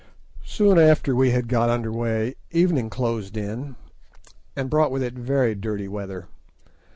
Soon after we had got under way evening closed in, and brought with it very dirty weather.